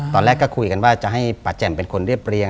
ตอนแรกก็คุยกันว่าจะให้ป่าแจ่มเป็นคนเรียบเรียง